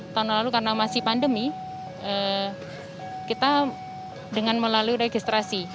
tahun lalu karena masih pandemi kita dengan melalui registrasi